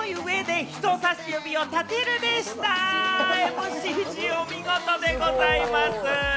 ＭＣ陣、お見事でございます。